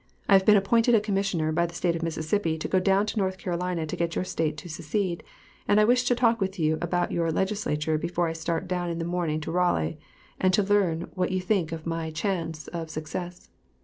I have been appointed a commissioner by the State of Mississippi to go down to North Carolina to get your State to secede, and I wished to talk with you about your Legislature before I start down in the morning to Raleigh, and to learn what you think of my chance of success."